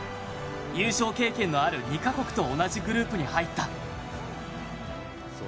優勝経験のある２か国と同じグループに入った。